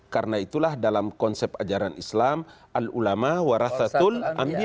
karena itulah dalam konsep ajaran islam al ulama wa rathatul ambiya